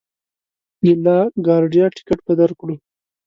د لا ګارډیا ټکټ به درکړو.